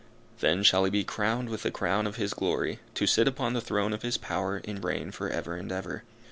Then shall he be crowned with the crown of His glory, to sit on the throne of his power to reign for ever and ever.